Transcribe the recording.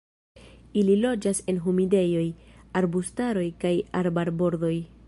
Ili loĝas en humidejoj, arbustaroj kaj arbarbordoj.